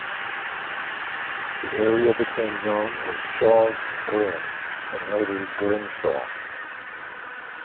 The area became known as "Shaw's Glen", and later Glenshaw.